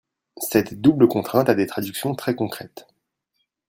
Cette double contrainte a des traductions très concrètes.